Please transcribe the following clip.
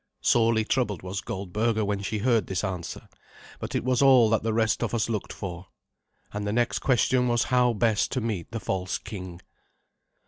Sorely troubled was Goldberga when she heard this answer, but it was all that the rest of us looked for. And the next question was how best to meet the false king.